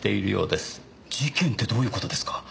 事件ってどういう事ですか？